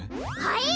はい？